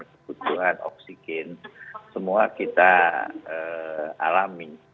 kebutuhan oksigen semua kita alami